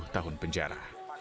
dua puluh tahun penjara